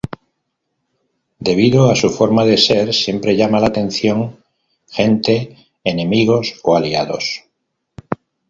Debido a su forma de ser siempre llama la atención gente, enemigos o aliados.